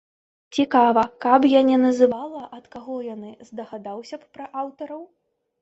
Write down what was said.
Цікава, каб я не называла, ад каго яны, здагадаўся б пра аўтараў?